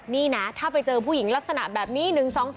นี่นะถ้าไปเจอผู้หญิงลักษณะแบบนี้๑๒๓